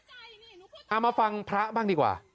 เอามาฟังพระบ้างดีกว่า